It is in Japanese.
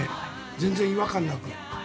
全然違和感なく。